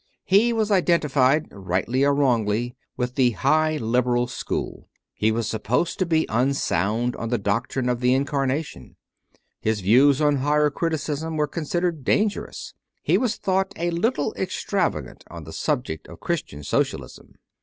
He was identified, rightly or wrongly, with the High Liberal School; he was supposed to be unsound on the doctrine of the In carnation; his views on Higher Criticism were considered dangerous; he was thought a little extravagant on the subject of Christian Socialism.